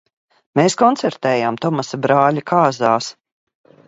Mēs koncertējām Tomasa brāļa kāzās.